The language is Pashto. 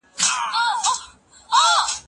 که یو استاد په موضوع پوه نه وي لارښوونه دې نه کوي.